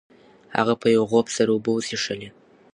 هغه په یو غوپ سره اوبه وڅښلې.